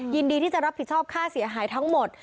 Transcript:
ยินดีที่จะรับผิดชอบค่าเสียหายทั้งหมด